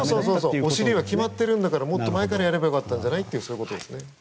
お尻が決まっているんだからもっと前からやればよかったんじゃないということですね。